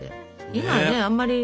今ねあんまり。